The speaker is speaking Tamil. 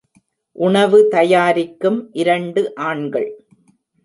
உணவு தயாரிக்கும் இரண்டு ஆண்கள்.